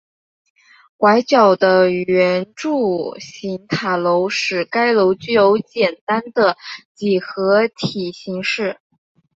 拐角的圆柱形塔楼使该楼具有简单的几何体形式。